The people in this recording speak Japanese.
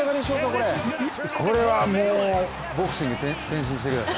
これはもうボクシング転身してください。